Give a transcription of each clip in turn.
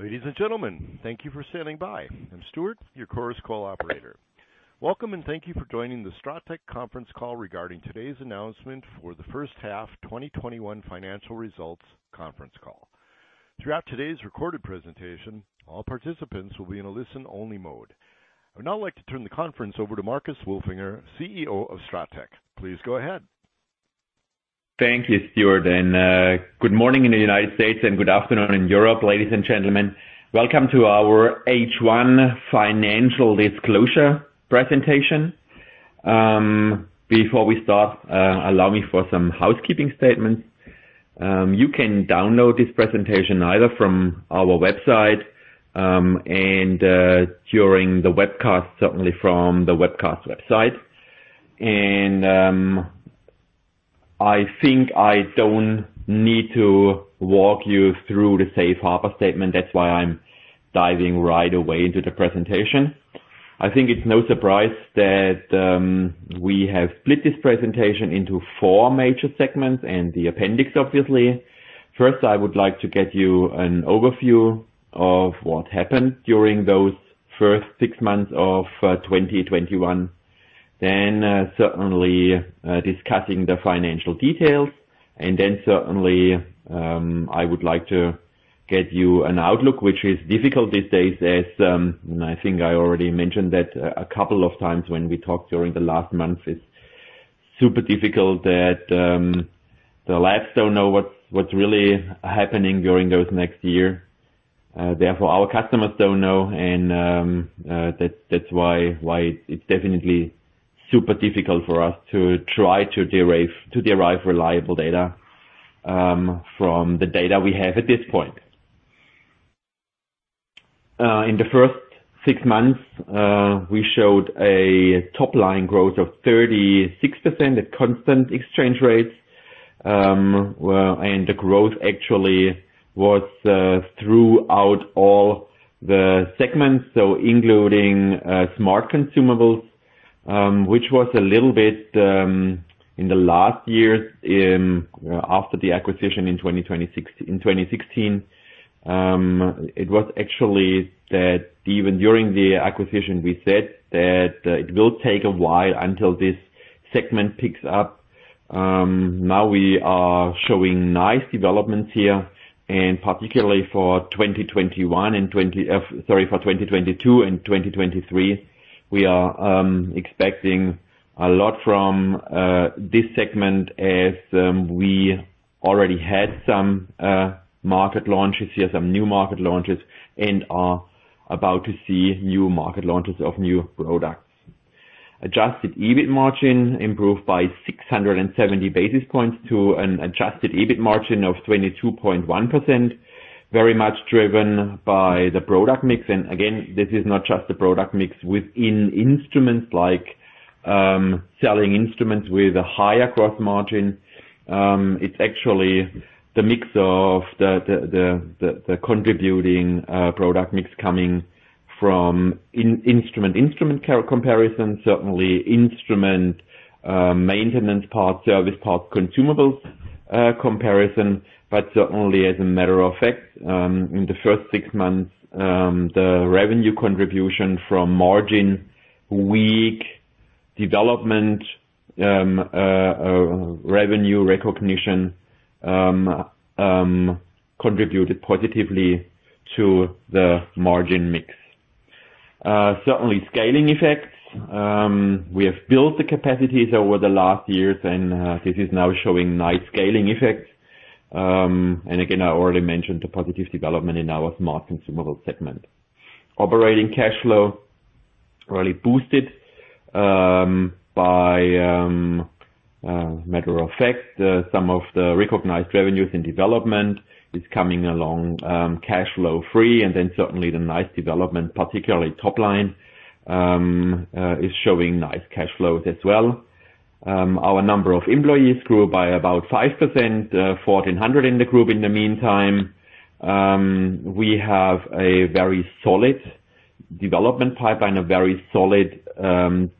Ladies and gentlemen, thank you for standing by. I'm Stuart, your Chorus Call operator. Welcome, and thank you for joining the STRATEC conference call regarding today's announcement for the first half 2021 financial results conference call. Throughout today's recorded presentation, all participants will be in a listen-only mode. I would now like to turn the conference over to Marcus Wolfinger, CEO of STRATEC. Please go ahead. Thank you, Stuart, and good morning in the United States and good afternoon in Europe. Ladies and gentlemen, welcome to our H1 financial disclosure presentation. Before we start, allow me for some housekeeping statements. You can download this presentation either from our website, during the webcast, certainly from the webcast website. I think I don't need to walk you through the safe harbor statement, that's why I'm diving right away into the presentation. I think it's no surprise that we have split this presentation into four major segments and the appendix, obviously. First, I would like to get you an overview of what happened during those first six months of 2021, certainly, discussing the financial details. Certainly, I would like to get you an outlook, which is difficult these days as I think I already mentioned that a couple of times when we talked during the last month. It's super difficult that the labs don't know what's really happening during those next year. Our customers don't know, and that's why it's definitely super difficult for us to try to derive reliable data from the data we have at this point. In the first six months, we showed a top-line growth of 36% at constant exchange rates. The growth actually was throughout all the segments, so including Smart Consumables, which was a little bit, in the last year, after the acquisition in 2016. It was actually that even during the acquisition, we said that it will take a while until this segment picks up. We are showing nice developments here, particularly for 2022 and 2023, we are expecting a lot from this segment as we already had some market launches here, some new market launches, and are about to see new market launches of new products. Adjusted EBIT margin improved by 670 basis points to an adjusted EBIT margin of 22.1%, very much driven by the product mix. Again, this is not just the product mix within instruments, like selling instruments with a higher gross margin. It's actually the mix of the contributing product mix coming from instrument composition, certainly instrument maintenance parts, service parts, consumables composition. Certainly, as a matter of fact, in the first six months, the revenue contribution from margin, weak development revenue recognition contributed positively to the margin mix. Certainly, scaling effects. We have built the capacities over the last years. This is now showing nice scaling effects. Again, I already mentioned the positive development in our Smart Consumables segment. Operating cash flow really boosted by matter of fact, some of the recognized revenues in development is coming along cash flow free. Certainly the nice development, particularly top line, is showing nice cash flows as well. Our number of employees grew by about 5%, 1,400 in the group in the meantime. We have a very solid development pipeline, a very solid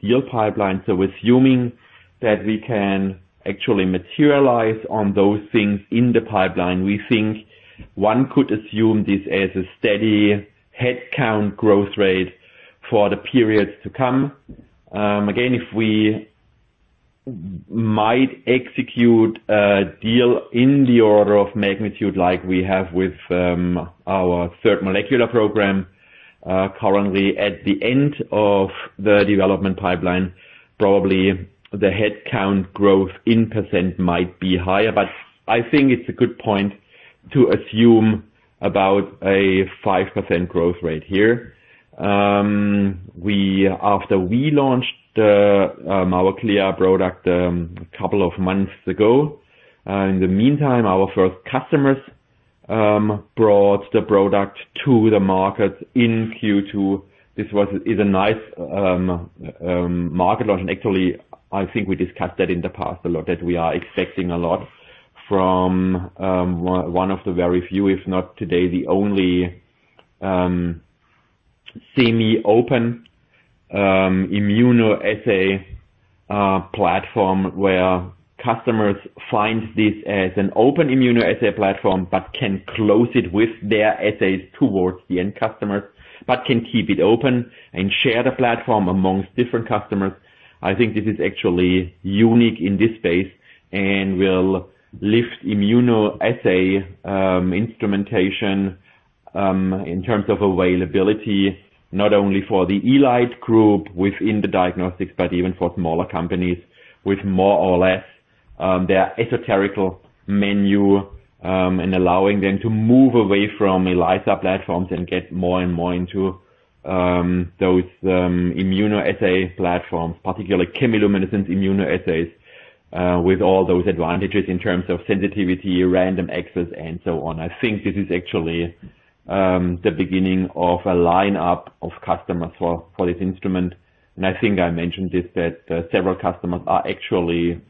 deal pipeline. Assuming that we can actually materialize on those things in the pipeline, we think one could assume this as a steady headcount growth rate for the periods to come. If we might execute a deal in the order of magnitude like we have with our third molecular program, currently at the end of the development pipeline, probably the headcount growth in % might be higher. I think it's a good point to assume about a 5% growth rate here. After we launched our CLIA product a couple of months ago, in the meantime, our first customers brought the product to the market in Q2. This is a nice market launch, and actually, I think we discussed that in the past a lot, that we are expecting a lot from one of the very few, if not today, the only semi-open immunoassay platform, where customers find this as an open immunoassay platform, but can close it with their assays towards the end customers, but can keep it open and share the platform amongst different customers. I think this is actually unique in this space and will lift immunoassay Instrumentation in terms of availability, not only for the elite group within the diagnostics, but even for smaller companies with more or less their esoterical menu, allowing them to move away from ELISA platforms and get more and more into those immunoassay platforms, particularly chemiluminescent immunoassays, with all those advantages in terms of sensitivity, random access, and so on. I think this is actually the beginning of a lineup of customers for this instrument. I think I mentioned this, that several customers are actually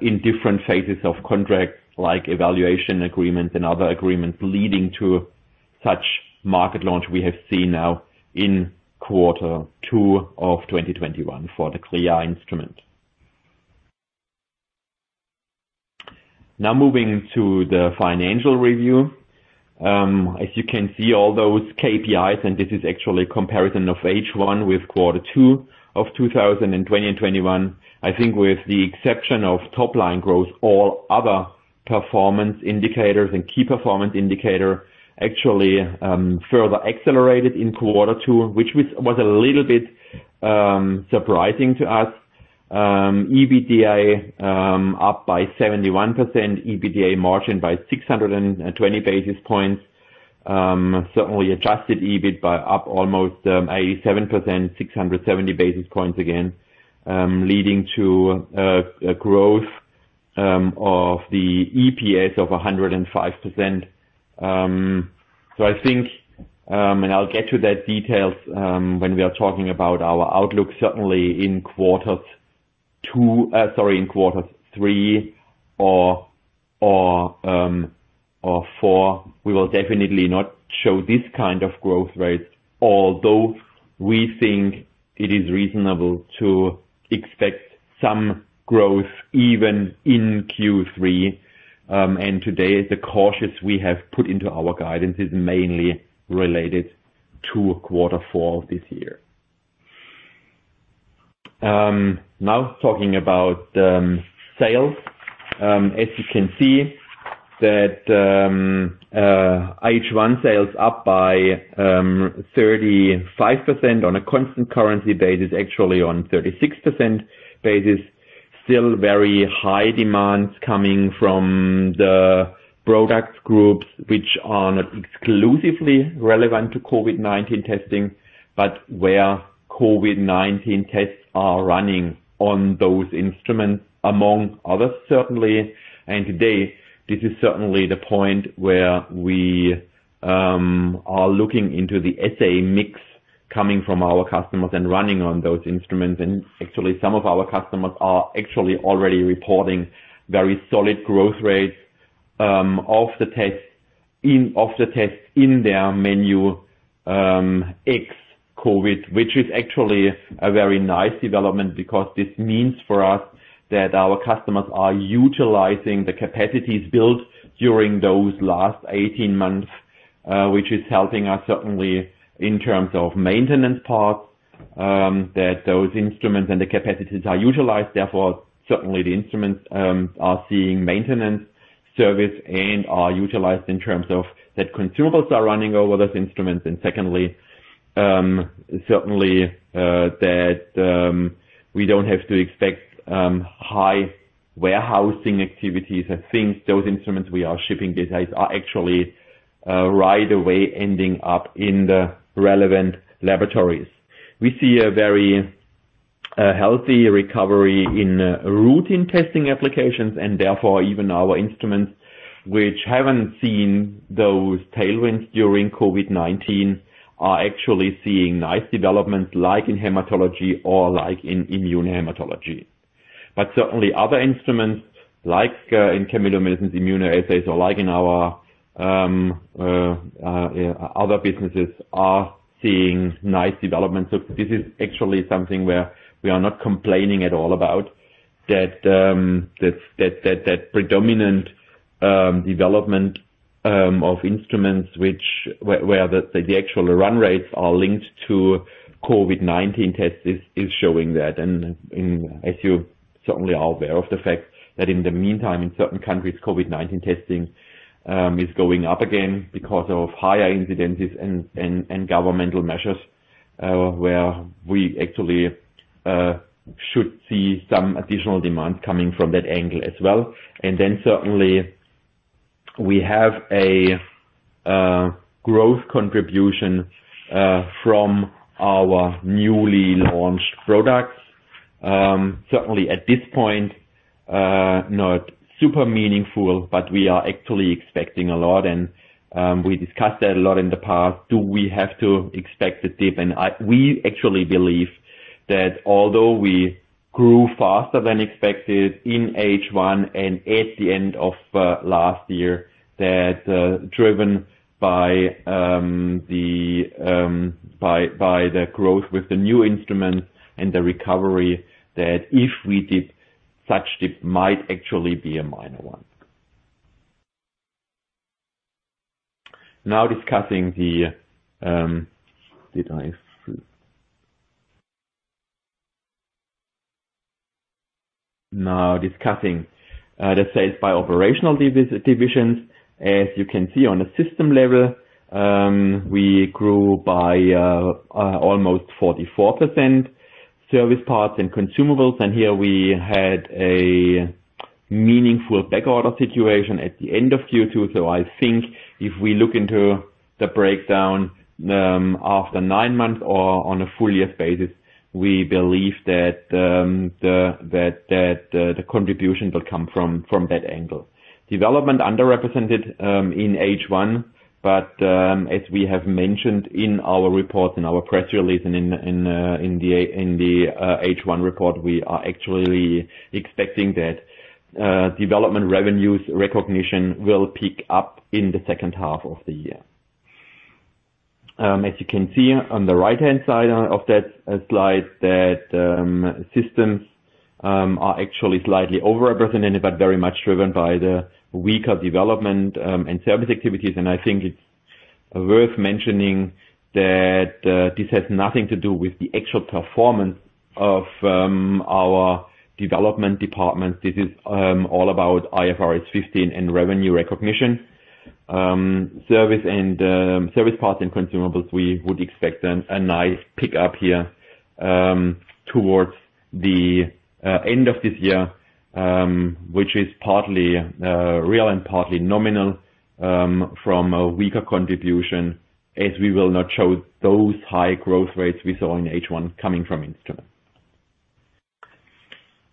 in different phases of contracts, like evaluation agreements and other agreements leading to such market launch we have seen now in quarter two of 2021 for the CLIA instrument. Now moving to the financial review. As you can see, all those KPIs, and this is actually a comparison of H1 with quarter two of 2021. I think with the exception of top-line growth, all other performance indicators and key performance indicator actually further accelerated in quarter two, which was a little bit surprising to us. EBITDA up by 71%, EBITDA margin by 620 basis points. Certainly adjusted EBIT by up almost 87%, 670 basis points again, leading to a growth of the EPS of 105%. I think, and I'll get to that details when we are talking about our outlook, certainly in quarter three or four, we will definitely not show this kind of growth rates, although we think it is reasonable to expect some growth even in Q3. Today, the cautious we have put into our guidance is mainly related to quarter four this year. Talking about sales. As you can see that H1 sales up by 35% on a constant currency basis, actually on 36% basis. Still very high demands coming from the product groups, which are not exclusively relevant to COVID-19 testing. Where COVID-19 tests are running on those instruments, among others, certainly, and today, this is certainly the point where we are looking into the assay mix coming from our customers and running on those instruments. Actually, some of our customers are actually already reporting very solid growth rates of the tests in their menu ex-COVID, which is actually a very nice development because this means for us that our customers are utilizing the capacities built during those last 18 months, which is helping us certainly in terms of maintenance parts, that those instruments and the capacities are utilized. Therefore, certainly the instruments are seeing maintenance service and are utilized in terms of that consumables are running over those instruments, and secondly, certainly, that we don't have to expect high warehousing activities. I think those instruments we are shipping these days are actually right away ending up in the relevant laboratories. We see a very healthy recovery in routine testing applications, and therefore, even our instruments, which haven't seen those tailwinds during COVID-19 are actually seeing nice developments like in hematology or like in immunohematology. Certainly other instruments like in chemiluminescent immunoassays or like in our other businesses are seeing nice developments. This is actually something where we are not complaining at all about that predominant development of instruments where the actual run rates are linked to COVID-19 tests is showing that. As you certainly are aware of the fact that in the meantime, in certain countries, COVID-19 testing is going up again because of higher incidences and governmental measures, where we actually should see some additional demand coming from that angle as well. Certainly we have a growth contribution from our newly launched products. Certainly at this point, not super meaningful, but we are actually expecting a lot, and we discussed that a lot in the past. Do we have to expect a dip? We actually believe that although we grew faster than expected in H1 and at the end of last year, that driven by the growth with the new instruments and the recovery, that if we did such dip might actually be a minor one. Discussing the sales by operational divisions. As you can see on a system level, we grew by almost 44% service parts and consumables, and here we had a meaningful backorder situation at the end of Q2, so I think if we look into the breakdown after nine months or on a full year basis, we believe that the contribution will come from that angle. Development underrepresented in H1, as we have mentioned in our report, in our press release, and in the H1 report, we are actually expecting that development revenues recognition will peak up in the second half of the year. As you can see on the right-hand side of that slide, that systems are actually slightly over-represented but very much driven by the weaker development and service activities. I think it's worth mentioning that this has nothing to do with the actual performance of our development department. This is all about IFRS 15 and revenue recognition. Service parts and consumables, we would expect a nice pickup here towards the end of this year, which is partly real and partly nominal from a weaker contribution, as we will not show those high growth rates we saw in H1 coming from instrument.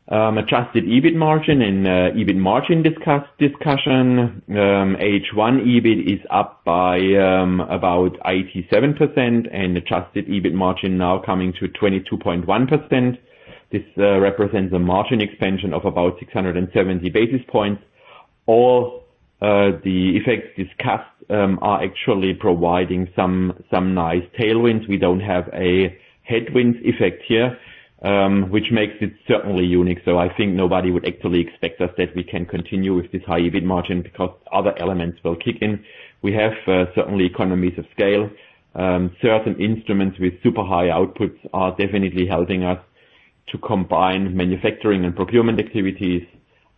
Adjusted EBIT margin and EBIT margin discussion. H1 EBIT is up by about 87% and adjusted EBIT margin now coming to 22.1%. This represents a margin expansion of about 670 basis points. All the effects discussed are actually providing some nice tailwinds. We don't have a headwind effect here, which makes it certainly unique. I think nobody would actually expect us that we can continue with this high EBIT margin because other elements will kick in. We have certainly economies of scale. Certain instruments with super high outputs are definitely helping us to combine manufacturing and procurement activities,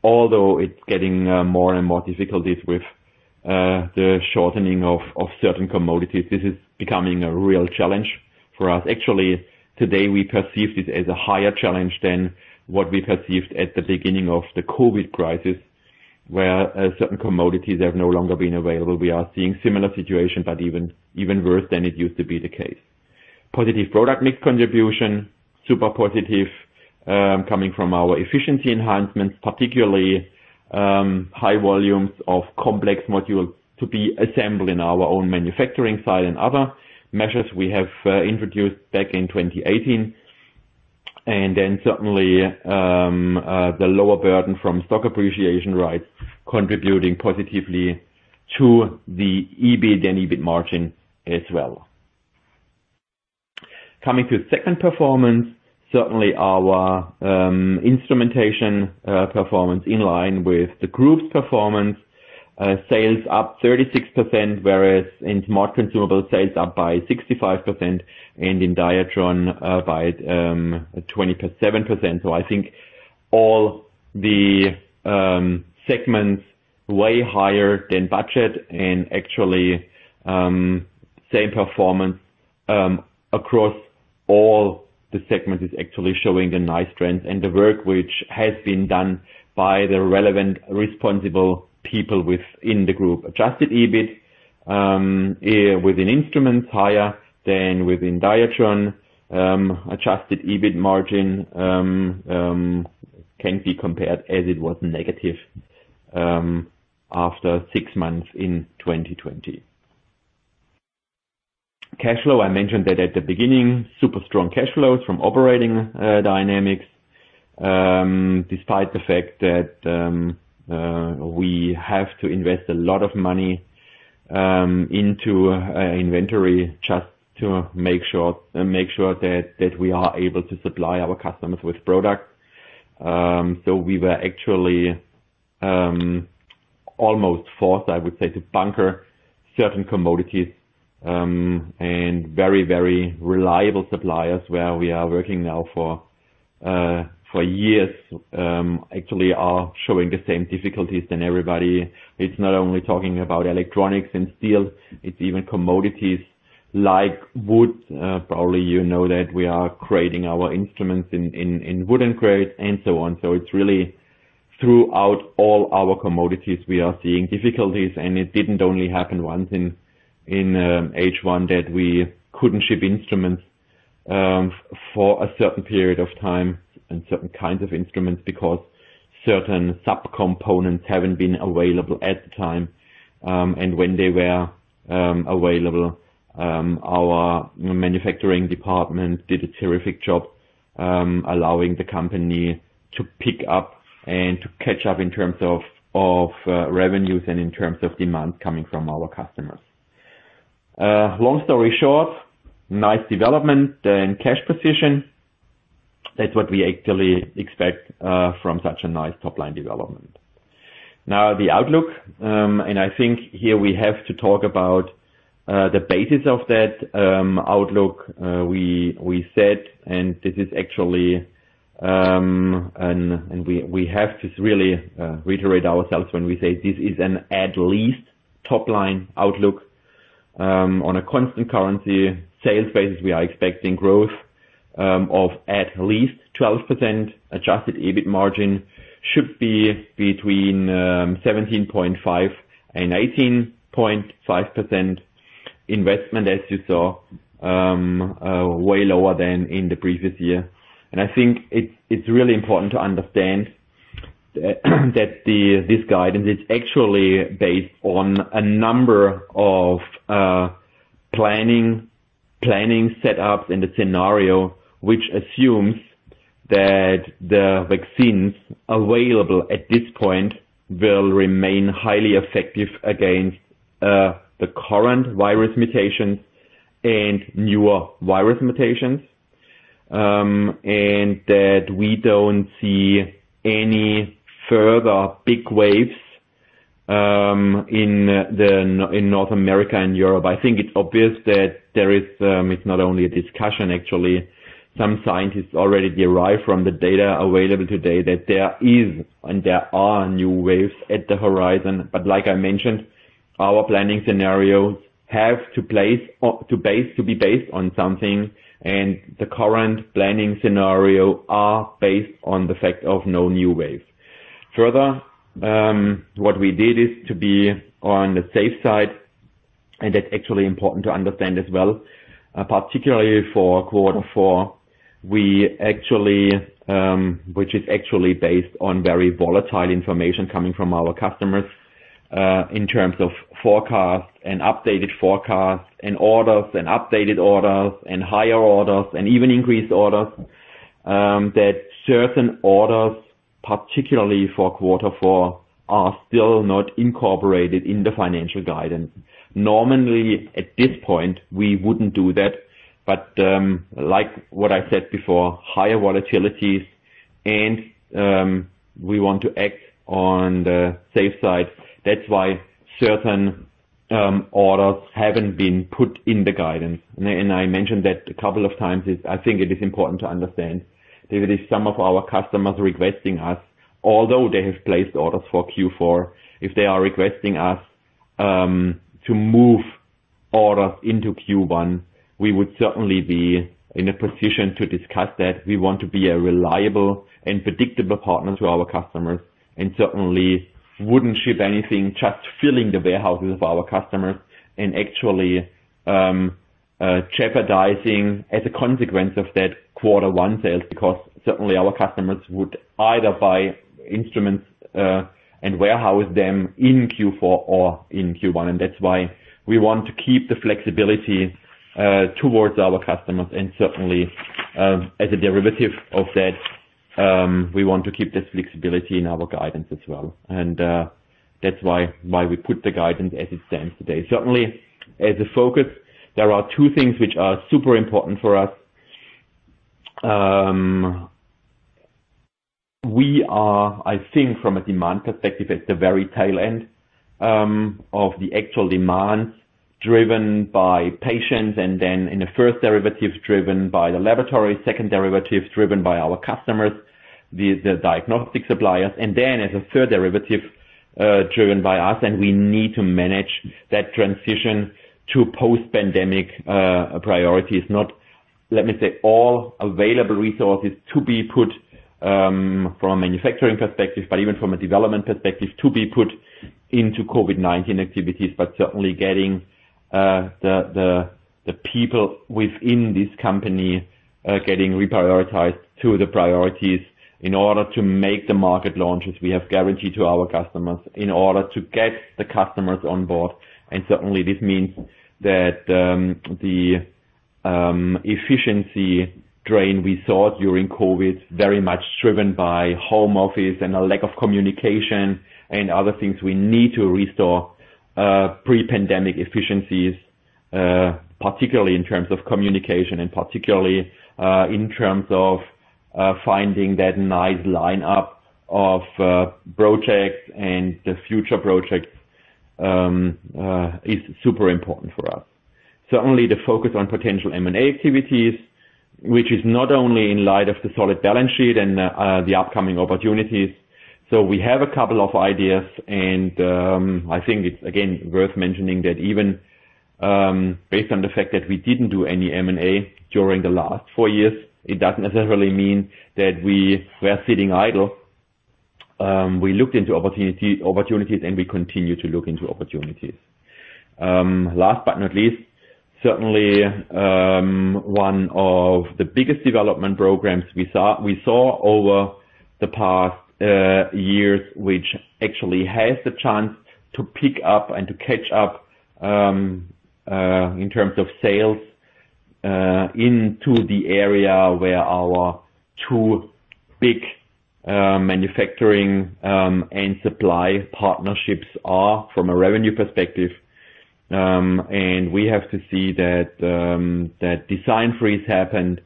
although it is getting more and more difficulties with the shortening of certain commodities. This is becoming a real challenge for us. Actually, today, we perceive this as a higher challenge than what we perceived at the beginning of the COVID-19 crisis, where certain commodities have no longer been available. We are seeing similar situations, but even worse than it used to be the case. Positive product mix contribution, super positive, coming from our efficiency enhancements, particularly high volumes of complex modules to be assembled in our own manufacturing site and other measures we have introduced back in 2018. Certainly, the lower burden from stock appreciation rights contributing positively to the EBIT and EBIT margin as well. Coming to segment performance, certainly our Instrumentation performance in line with the group's performance. Sales up 36%, whereas in Smart Consumables sales up by 65% and in Diatron by 27%. I think all the segments way higher than budget and actually same performance across all the segments is actually showing a nice trend. The work which has been done by the relevant responsible people within the group. Adjusted EBIT within instruments higher than within Diatron. Adjusted EBIT margin can be compared as it was negative after six months in 2020. Cash flow, I mentioned that at the beginning. Super strong cash flows from operating dynamics, despite the fact that we have to invest a lot of money into inventory just to make sure that we are able to supply our customers with product. We were actually almost forced, I would say, to bunker certain commodities, and very reliable suppliers where we are working now for years, actually are showing the same difficulties than everybody. It is not only talking about electronics and steel, it is even commodities like wood. Probably you know that we are creating our instruments in wooden crates and so on. It is really throughout all our commodities, we are seeing difficulties, and it did not only happen once in H1 that we could not ship instruments for a certain period of time and certain kinds of instruments because certain subcomponents have not been available at the time, and when they were available, our manufacturing department did a terrific job allowing the company to pick up and to catch up in terms of revenues and in terms of demand coming from our customers. Long story short, nice development and cash position. That's what we actually expect from such a nice top-line development. The outlook, and I think here we have to talk about the basis of that outlook we set. We have to really reiterate ourselves when we say this is an at least top-line outlook on a constant currency sales basis. We are expecting growth of at least 12%. Adjusted EBIT margin should be between 17.5% and 18.5%. Investment, as you saw, way lower than in the previous year. I think it's really important to understand that this guidance is actually based on a number of planning setups in the scenario, which assumes that the vaccines available at this point will remain highly effective against the current virus mutations and newer virus mutations. That we don't see any further big waves in North America and Europe. I think it's obvious that it's not only a discussion, actually. Some scientists already derive from the data available today that there is and there are new waves at the horizon. Like I mentioned, our planning scenarios have to be based on something, and the current planning scenario are based on the fact of no new wave. What we did is to be on the safe side, and that's actually important to understand as well, particularly for quarter four, which is actually based on very volatile information coming from our customers, in terms of forecasts and updated forecasts and orders and updated orders and higher orders and even increased orders, that certain orders, particularly for quarter four, are still not incorporated in the financial guidance. Normally, at this point, we wouldn't do that. Like what I said before, higher volatilities and we want to act on the safe side. That's why certain orders haven't been put in the guidance. I mentioned that a couple of times. I think it is important to understand that if some of our customers requesting us, although they have placed orders for Q4, if they are requesting us to move orders into Q1, we would certainly be in a position to discuss that. We want to be a reliable and predictable partner to our customers and certainly wouldn't ship anything, just filling the warehouses of our customers and actually jeopardizing, as a consequence of that, quarter one sales, because certainly our customers would either buy instruments and warehouse them in Q4 or in Q1. That's why we want to keep the flexibility towards our customers. Certainly, as a derivative of that, we want to keep this flexibility in our guidance as well. That's why we put the guidance as it stands today. Certainly, as a focus, there are two things which are super important for us. We are, I think from a demand perspective, at the very tail end of the actual demand driven by patients, and then in the first derivative, driven by the laboratory, second derivative driven by our customers, the diagnostic suppliers, and then as a third derivative, driven by us. We need to manage that transition to post-pandemic priorities, not, let me say, all available resources to be put from a manufacturing perspective, but even from a development perspective, to be put into COVID-19 activities, but certainly getting the people within this company getting reprioritized to the priorities in order to make the market launches we have guaranteed to our customers in order to get the customers on board. Certainly, this means that the efficiency drain we saw during COVID, very much driven by home office and a lack of communication and other things, we need to restore pre-pandemic efficiencies, particularly in terms of communication and particularly in terms of finding that nice line-up of projects and the future projects is super important for us. The focus on potential M&A activities, which is not only in light of the solid balance sheet and the upcoming opportunities. We have a couple of ideas, and I think it's, again, worth mentioning that even based on the fact that we didn't do any M&A during the last four years, it doesn't necessarily mean that we were sitting idle. We looked into opportunities, and we continue to look into opportunities. Last but not least, certainly one of the biggest development programs we saw over the past years, which actually has the chance to pick up and to catch up in terms of sales into the area where our two big manufacturing and supply partnerships are from a revenue perspective. We have to see that design freeze happened,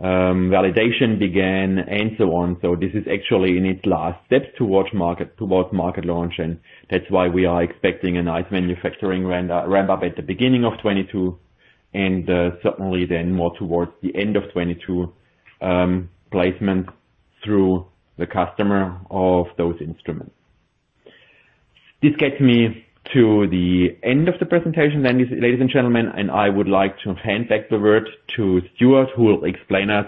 validation began, and so on. This is actually in its last steps towards market launch, that's why we are expecting a nice manufacturing ramp up at the beginning of 2022, and certainly then more towards the end of 2022, placement through the customer of those instruments. This gets me to the end of the presentation then, ladies and gentlemen, and I would like to hand back the word to Stuart, who will explain us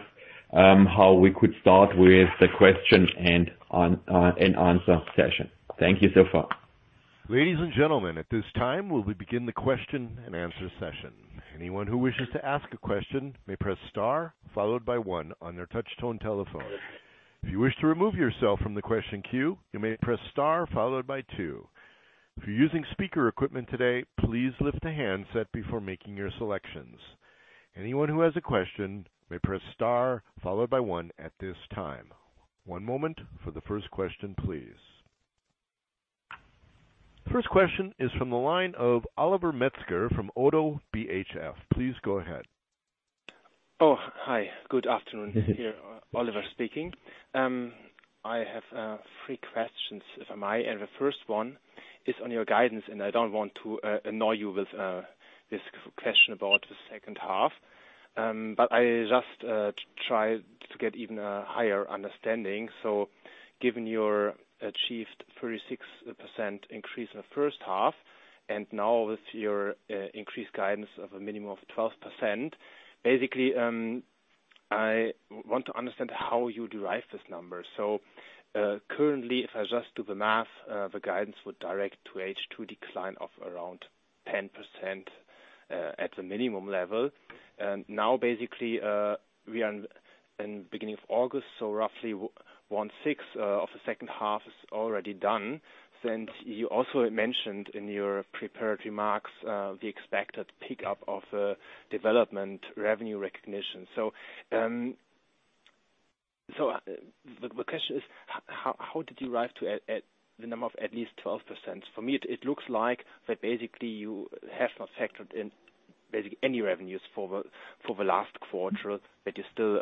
how we could start with the question-and-answer session. Thank you so far. Ladies and gentlemen, this time we will begin the question-and-answer session. Anyone who wish to ask a question, you may press star followed by one on your touchtone telephone. If you wish to remove yourself from the question queue, you may press star followed by two. If you using speaker equipments today please lift your handset before making your selections. Anyone who has a question you may press star followed by one at this time. One moment for first question please. First question is from the line of Oliver Metzger from ODDO BHF. Please go ahead. Oh, hi. Good afternoon. Oliver speaking. I have three questions, if I may. The first one is on your guidance. I don't want to annoy you with this question about the second half. I just try to get even a higher understanding. Given your achieved 36% increase in the first half, now with your increased guidance of a minimum of 12%, basically, I want to understand how you derive this number. Currently, if I just do the math, the guidance would direct to H2 decline of around 10% at the minimum level. Basically, we are in beginning of August, roughly one sixth of the second half is already done. You also mentioned in your prepared remarks the expected pickup of the development revenue recognition. The question is, how did you arrive to the number of at least 12%? For me, it looks like that you have not factored in any revenues for the last quarter that you still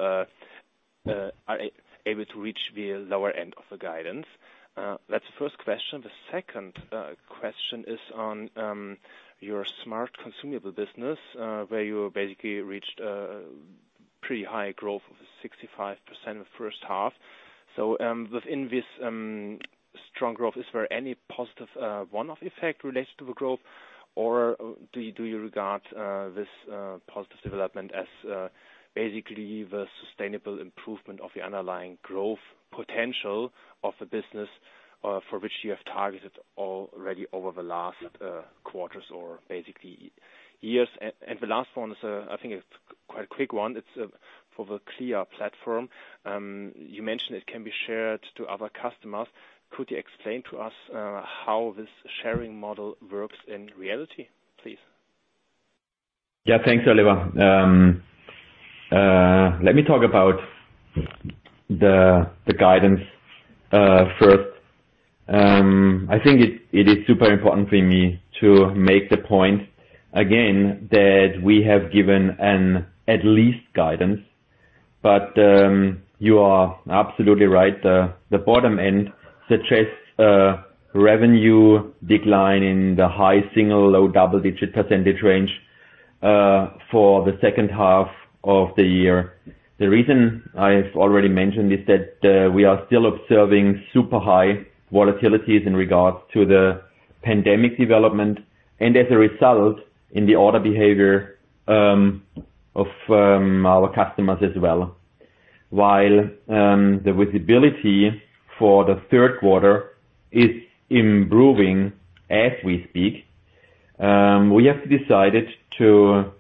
are able to reach the lower end of the guidance? That's the first question. The second question is on your Smart Consumables business, where you reached a pretty high growth of 65% in the first half. Within this strong growth, is there any positive one-off effect related to the growth or do you regard this positive development as the sustainable improvement of the underlying growth potential of the business, for which you have targeted already over the last quarters or years? The last one is, I think it's quite a quick one. It's for the CLIA platform. You mentioned it can be shared to other customers. Could you explain to us how this sharing model works in reality, please? Yeah. Thanks, Oliver. Let me talk about the guidance first. I think it is super important for me to make the point again that we have given an at least guidance, but you are absolutely right. The bottom end suggests a revenue decline in the high single, low double-digit % range for the second half of the year. The reason I've already mentioned is that we are still observing super high volatilities in regards to the pandemic development and as a result, in the order behavior of our customers as well. While the visibility for the third quarter is improving as we speak, we have decided to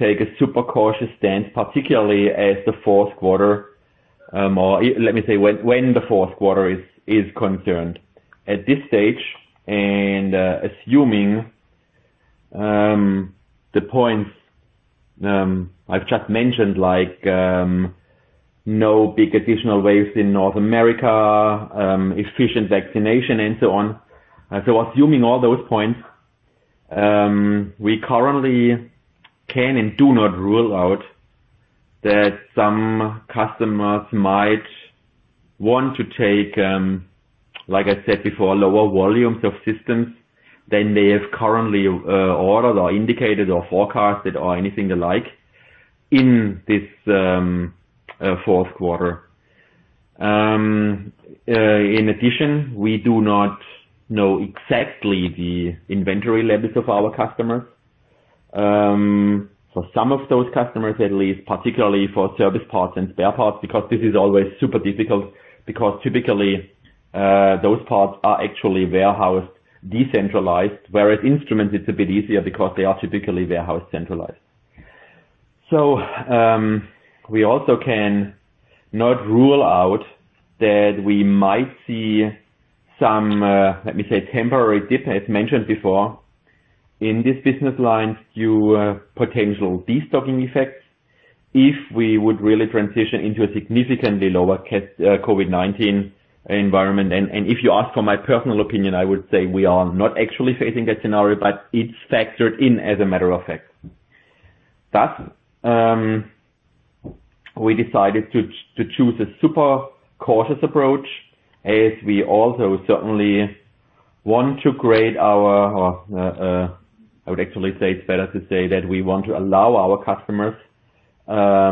take a super cautious stance, particularly as the fourth quarter, or let me say, when the fourth quarter is concerned. At this stage, assuming the points I've just mentioned, like no big additional waves in North America, efficient vaccination and so on. Assuming all those points, we currently can and do not rule out that some customers might want to take, like I said before, lower volumes of systems than they have currently ordered or indicated or forecasted or anything alike in this fourth quarter. In addition, we do not know exactly the inventory levels of our customers. For some of those customers, at least, particularly for service parts and spare parts, because this is always super difficult, because typically, those parts are actually warehoused decentralized, whereas instruments, it's a bit easier because they are typically warehouse centralized. We also can not rule out that we might see some, let me say, temporary dip, as mentioned before, in this business line due potential destocking effects if we would really transition into a significantly lower COVID-19 environment. If you ask for my personal opinion, I would say we are not actually facing that scenario, but it's factored in, as a matter of fact. Thus, we decided to choose a super cautious approach as we also certainly want to I would actually say it's better to say that we want to allow our customers a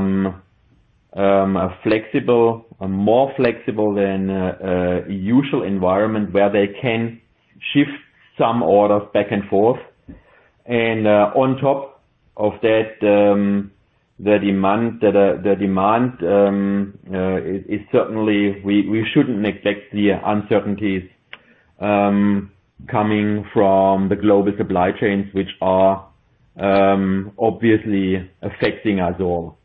more flexible than usual environment where they can shift some orders back and forth. On top of that, the demand, certainly, we shouldn't neglect the uncertainties coming from the global supply chains, which are obviously affecting us all.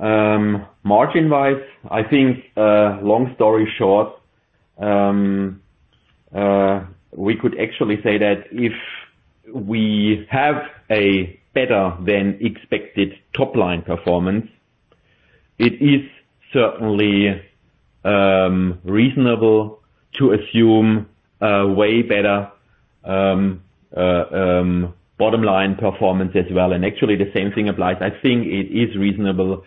Margin-wise, I think, long story short, we could actually say that if we have a better than expected top-line performance, it is certainly reasonable to assume a way better bottom-line performance as well. Actually, the same thing applies. I think it is reasonable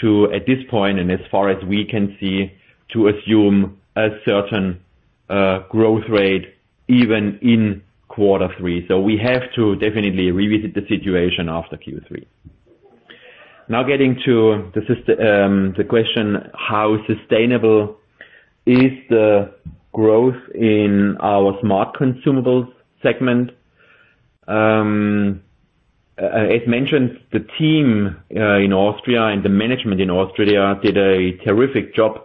to, at this point, and as far as we can see, to assume a certain growth rate even in quarter three. We have to definitely revisit the situation after Q3. Now getting to the question, how sustainable is the growth in our Smart Consumables segment? As mentioned, the team in Austria and the management in Austria did a terrific job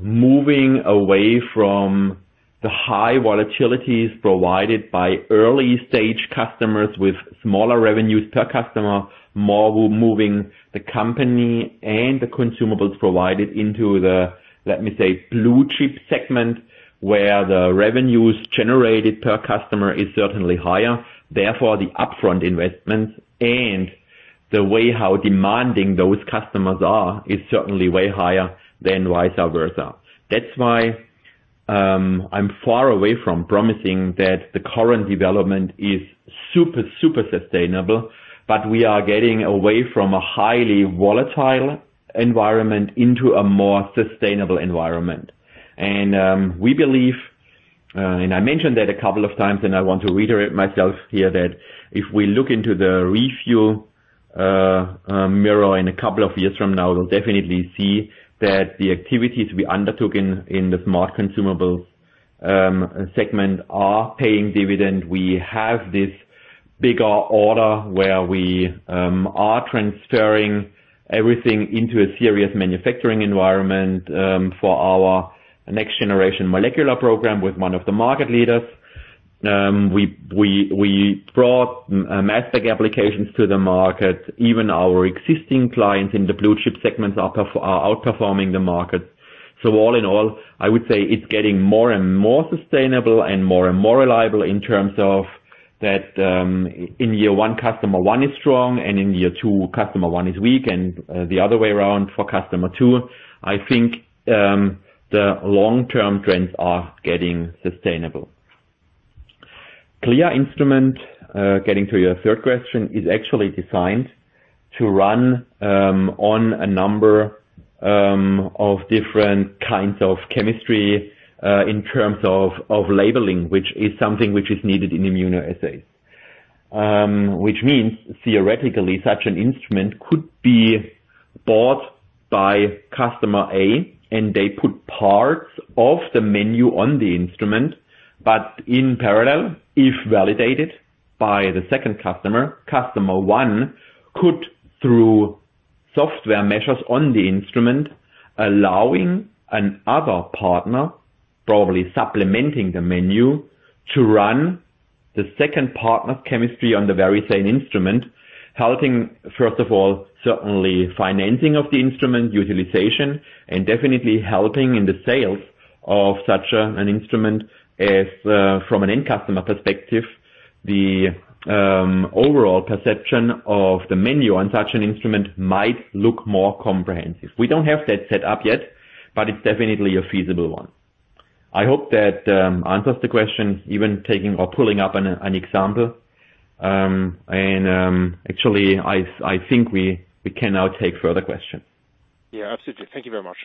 moving away from the high volatilities provided by early-stage customers with smaller revenues per customer, more moving the company and the consumables provided into the, let me say, blue-chip segment, where the revenues generated per customer is certainly higher. The upfront investments and the way how demanding those customers are is certainly way higher than vice versa. That's why I'm far away from promising that the current development is super sustainable, but we are getting away from a highly volatile environment into a more sustainable environment. We believe, and I mentioned that a couple of times, and I want to reiterate myself here, that if we look into the rearview mirror in a couple of years from now, we'll definitely see that the activities we undertook in the Smart Consumables segment are paying dividend. We have this bigger order where we are transferring everything into a serious manufacturing environment for our next-generation molecular program with one of the market leaders. We brought mass spec applications to the market. Even our existing clients in the blue-chip segments are outperforming the market. All in all, I would say it's getting more and more sustainable and more and more reliable in terms of that, in year one, customer one is strong, and in year two, customer one is weak, and the other way around for customer two. I think the long-term trends are getting sustainable. CLIA instrument, getting to your third question, is actually designed to run on a number of different kinds of chemistry, in terms of labeling, which is something which is needed in immunoassays. Which means theoretically, such an instrument could be bought by customer A, and they put parts of the menu on the instrument, but in parallel, if validated by the second customer one could, through software measures on the instrument, allowing an other partner, probably supplementing the menu, to run the second partner's chemistry on the very same instrument, helping, first of all, certainly financing of the instrument utilization and definitely helping in the sales of such an instrument as, from an end customer perspective, the overall perception of the menu on such an instrument might look more comprehensive. We don't have that set up yet, but it's definitely a feasible one. I hope that answers the question, even taking or pulling up an example. Actually, I think we can now take further questions. Yeah, absolutely. Thank you very much.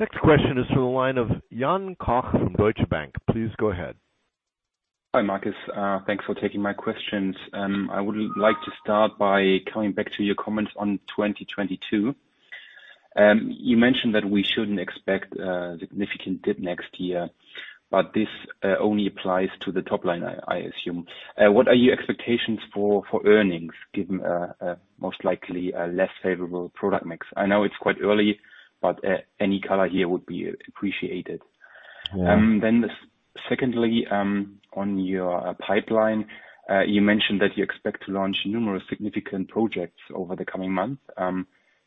Next question is from the line of Jan Koch from Deutsche Bank. Please go ahead. Hi, Marcus. Thanks for taking my questions. I would like to start by coming back to your comments on 2022. You mentioned that we shouldn't expect a significant dip next year, but this only applies to the top line, I assume. What are your expectations for earnings, given most likely a less favorable product mix? I know it's quite early. Any color here would be appreciated. Yeah. Secondly, on your pipeline, you mentioned that you expect to launch numerous significant projects over the coming months.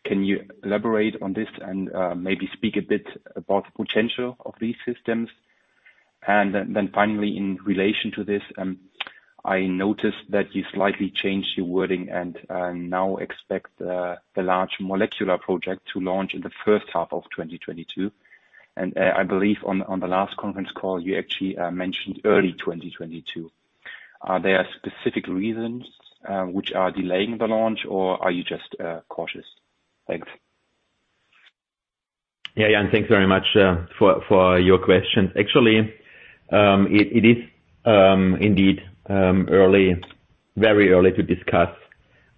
Can you elaborate on this and maybe speak a bit about the potential of these systems? Finally, in relation to this, I noticed that you slightly changed your wording and now expect the large molecular project to launch in the first half of 2022. I believe on the last conference call, you actually mentioned early 2022. Are there specific reasons which are delaying the launch, or are you just cautious? Thanks. Yeah, Jan, thanks very much for your questions. Actually, it is indeed early, very early to discuss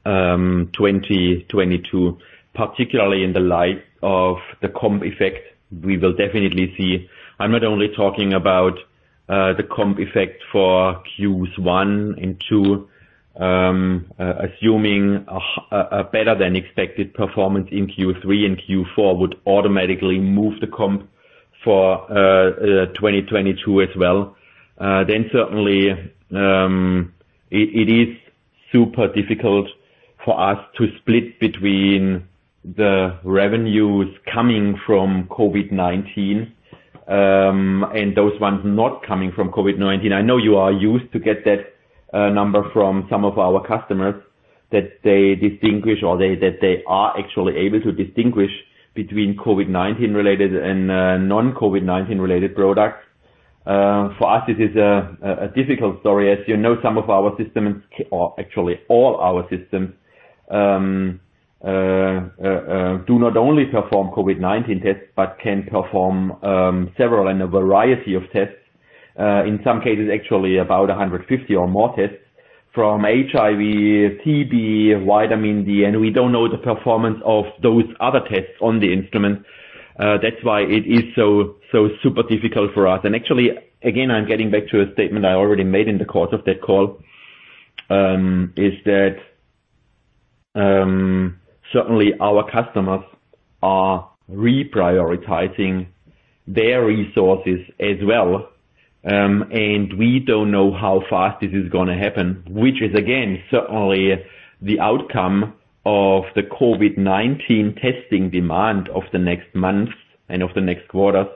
2022, particularly in the light of the comp effect we will definitely see. I am not only talking about the comp effect for Q1 and Q2, assuming a better than expected performance in Q3 and Q4 would automatically move the comp for 2022 as well. Certainly, it is super difficult for us to split between the revenues coming from COVID-19, and those ones not coming from COVID-19. I know you are used to get that number from some of our customers that they distinguish, or that they are actually able to distinguish between COVID-19 related and non-COVID-19 related products. For us, it is a difficult story. As you know, some of our systems, or actually all our systems, do not only perform COVID-19 tests, but can perform several and a variety of tests. In some cases, actually about 150 or more tests, from HIV, TB, Vitamin D, we don't know the performance of those other tests on the instrument. That's why it is so super difficult for us. Actually, again, I'm getting back to a statement I already made in the course of that call, is that certainly our customers are reprioritizing their resources as well. We don't know how fast this is going to happen, which is, again, certainly the outcome of the COVID-19 testing demand of the next months and of the next quarters.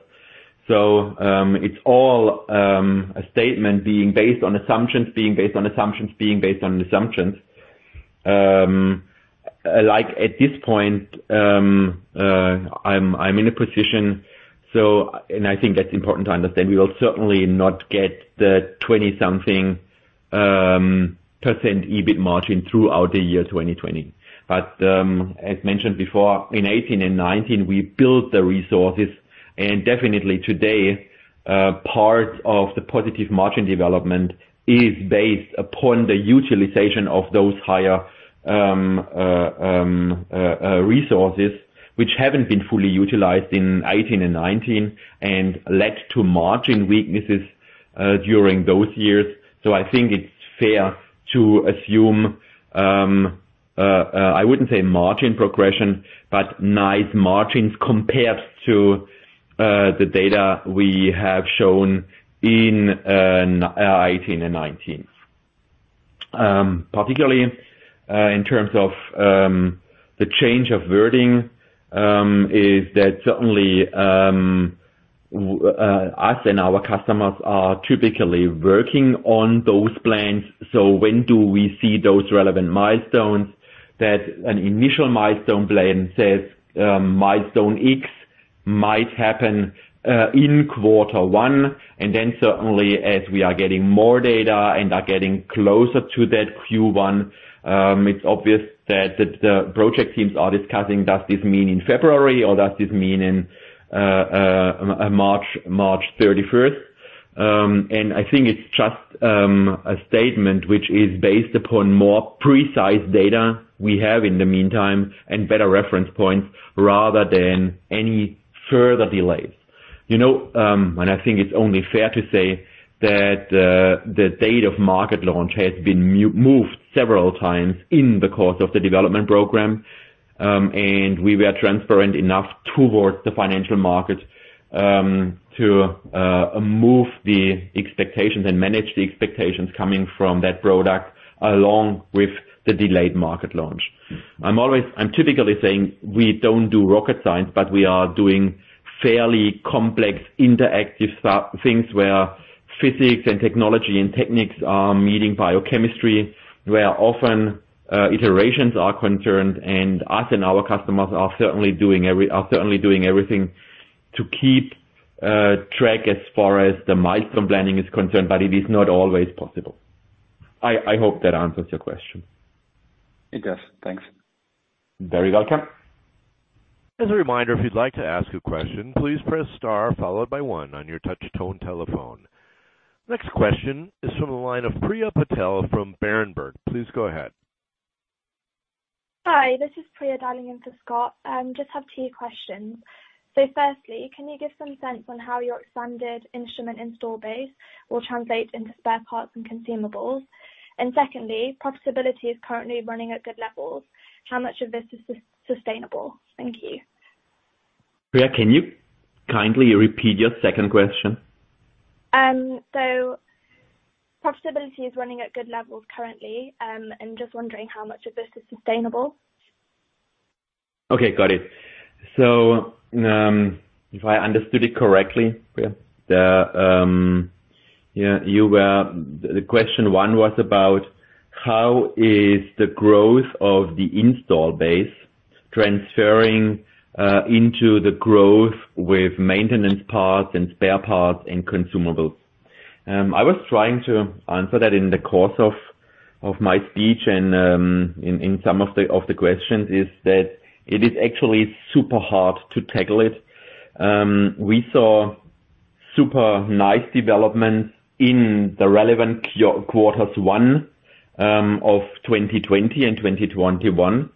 It's all a statement being based on assumptions, being based on assumptions being based on assumptions. Like at this point, I'm in a position, and I think that's important to understand, we will certainly not get the 20-something % EBIT margin throughout the year 2020. As mentioned before, in 2018 and 2019, we built the resources, and definitely today, part of the positive margin development is based upon the utilization of those higher resources, which haven't been fully utilized in 2018 and 2019 and led to margin weaknesses during those years. I think it's fair to assume, I wouldn't say margin progression, but nice margins compared to the data we have shown in 2018 and 2019. Particularly, in terms of the change of wording, is that certainly us and our customers are typically working on those plans. When do we see those relevant milestones that an initial milestone plan says milestone X might happen in quarter one, and then certainly as we are getting more data and are getting closer to that Q1, it's obvious that the project teams are discussing, does this mean in February or does this mean in March 31st? I think it's just a statement which is based upon more precise data we have in the meantime and better reference points rather than any further delays. I think it's only fair to say that the date of market launch has been moved several times in the course of the development program. We were transparent enough towards the financial markets to move the expectations and manage the expectations coming from that product along with the delayed market launch. I'm typically saying we don't do rocket science, but we are doing fairly complex interactive things where physics and technology and techniques are meeting biochemistry, where often iterations are concerned, and us and our customers are certainly doing everything to keep track as far as the milestone planning is concerned, but it is not always possible. I hope that answers your question. It does. Thanks. Very welcome. As a reminder, if you'd like to ask a question, please press star followed by one on your touch tone telephone. Next question is from the line of Priya Patel from Berenberg. Please go ahead. Hi, this is Priya dialing in for Scott. Just have two questions. Firstly, can you give some sense on how your expanded instrument install base will translate into spare parts and consumables? Secondly, profitability is currently running at good levels. How much of this is sustainable? Thank you. Priya, can you kindly repeat your second question? Profitability is running at good levels currently, I'm just wondering how much of this is sustainable. Okay, got it. If I understood it correctly, Priya, the question one was about how is the growth of the install base transferring into the growth with maintenance parts and spare parts and consumables? I was trying to answer that in the course of my speech and in some of the questions is that it is actually super hard to tackle it. We saw super nice developments in the relevant quarters one of 2020 and 2021.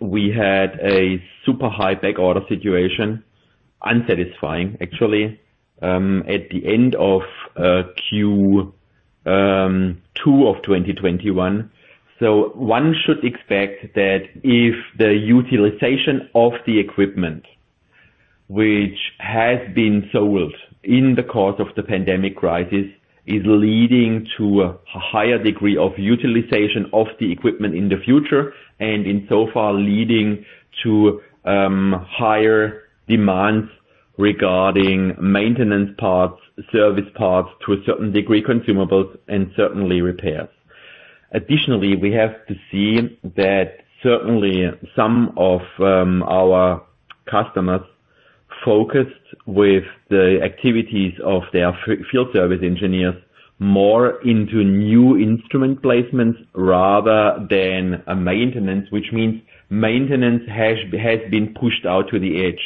We had a super high back order situation, unsatisfying actually, at the end of Q2 of 2021. One should expect that if the utilization of the equipment, which has been sold in the course of the pandemic crisis, is leading to a higher degree of utilization of the equipment in the future, and insofar leading to higher demands regarding maintenance parts, service parts, to a certain degree consumables, and certainly repairs. Additionally, we have to see that certainly some of our customers focused with the activities of their field service engineers more into new instrument placements rather than maintenance, which means maintenance has been pushed out to the edge.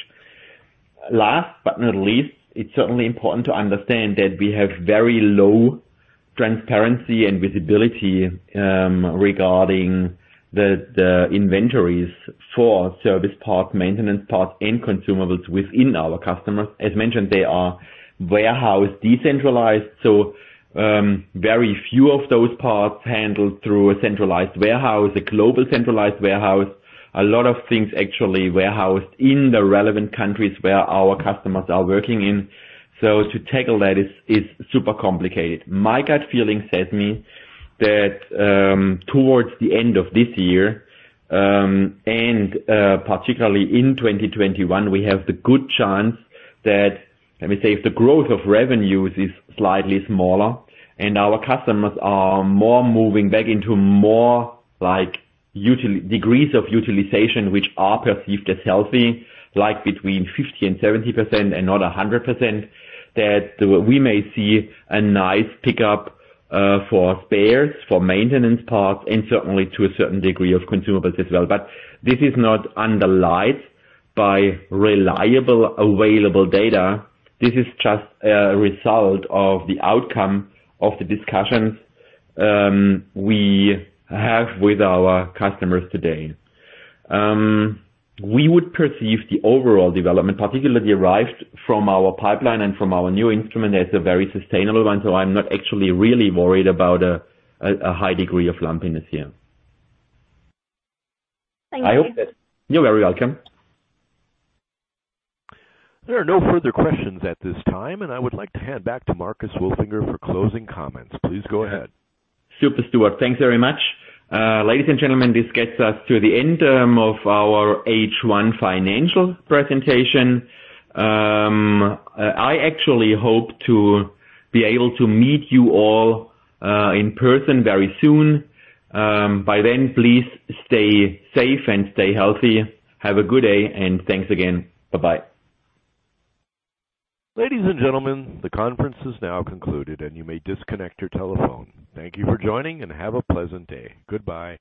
Last but not least, it's certainly important to understand that we have very low transparency and visibility regarding the inventories for service parts, maintenance parts, and consumables within our customers. As mentioned, they are warehoused decentralized, so very few of those parts handled through a centralized warehouse, a global centralized warehouse, a lot of things actually warehoused in the relevant countries where our customers are working in. To tackle that is super complicated. My gut feeling says me that towards the end of this year, and particularly in 2021, we have the good chance that, let me say, if the growth of revenues is slightly smaller and our customers are more moving back into more degrees of utilization, which are perceived as healthy, like between 50% and 70% and not 100%, that we may see a nice pickup for spares, for maintenance parts, and certainly to a certain degree of consumables as well. This is not underlined by reliable, available data. This is just a result of the outcome of the discussions we have with our customers today. We would perceive the overall development, particularly derived from our pipeline and from our new instrument as a very sustainable one, so I'm not actually really worried about a high degree of lumpiness here. Thank you. You're very welcome. There are no further questions at this time, and I would like to hand back to Marcus Wolfinger for closing comments. Please go ahead. Super, Stuart. Thanks very much. Ladies and gentlemen, this gets us to the end of our H1 financial presentation. I actually hope to be able to meet you all in person very soon. By then, please stay safe and stay healthy. Have a good day, and thanks again. Bye-bye. Ladies and gentlemen, the conference is now concluded, and you may disconnect your telephone. Thank you for joining, and have a pleasant day. Goodbye